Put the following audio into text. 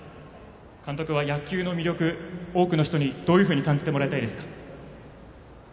監督は野球の魅力多くの人にどういうふうに感じてもらいたいですか？